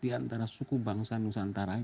di antara suku bangsa nusantara